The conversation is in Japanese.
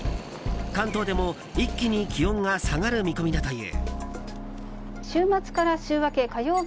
関東でも一気に気温が下がる見込みだという。